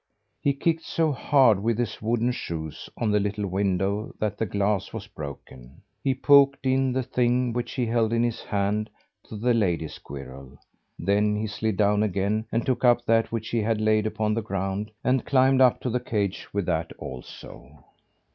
He kicked so hard with his wooden shoes on the little window that the glass was broken. He poked in the thing which he held in his hand to the lady squirrel. Then he slid down again, and took up that which he had laid upon the ground, and climbed up to the cage with that also.